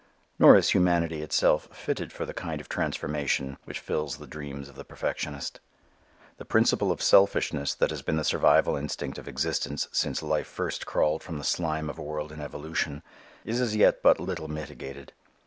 Nor is humanity itself fitted for the kind of transformation which fills the dreams of the perfectionist. The principle of selfishness that has been the survival instinct of existence since life first crawled from the slime of a world in evolution, is as yet but little mitigated.